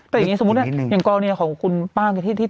อย่างนี้สมมุติอย่างกรณียอของคุณป้าที่ติดเนี่ย